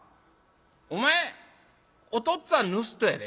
お前お父っつぁん盗人やで？